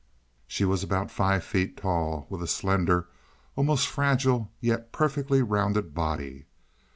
She was about five feet tall, with a slender, almost fragile, yet perfectly rounded body.